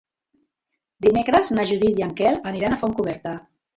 Dimecres na Judit i en Quel aniran a Fontcoberta.